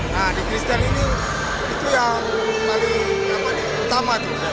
nah di christian ini itu yang paling utama itu